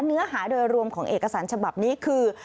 เนื้อหาโดยรวมของเอกสารฉบับนี้คือ